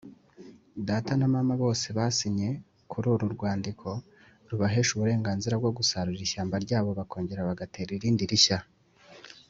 Data na Mama bose basinye kuri uru rwandiko rubahesha uburenganzira bwo gusarura ishyamba ryabo bakongera bagatera irindi rishya.